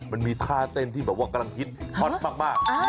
มันมีท่าเต้นที่แบบว่ากำลังฮิตฮอตมาก